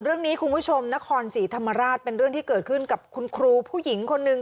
คุณผู้ชมนครศรีธรรมราชเป็นเรื่องที่เกิดขึ้นกับคุณครูผู้หญิงคนหนึ่ง